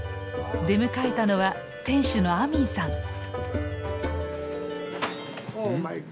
出迎えたのは店主のアミンさん。